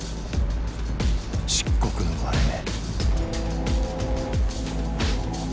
漆黒の割れ目。